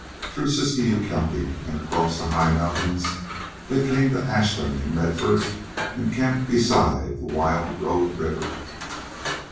Through Siskiyou County and across high mountains, they came to Ashland and Medford and camped beside the wild Rogue River.